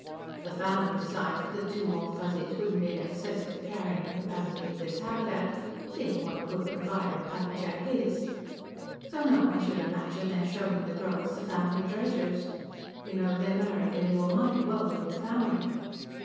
The family decided that two more Fuzzies wouldn't be in excess of the carrying capacity of this habitat, seeing what a good provider Pappy Jack is, so now I should imagine they're showing the girls the family treasures. You know, they married into a mighty well to do family."